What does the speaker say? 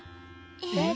えっ？